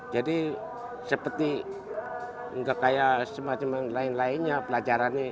jadi seperti gak kayak semacam lain lainnya pelajarannya